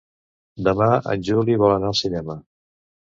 Demà en Juli vol anar al cinema.